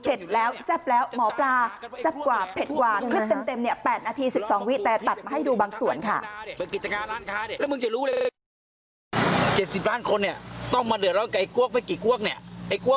เออเออแล้วนี่พริกเกรียงว่าเสร็จแล้วแซ่บแล้ว